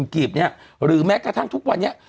๓๕๐๐๐๐๐กลีบเนี่ยหรือแม้กระทั่งทุกวันเนี่ย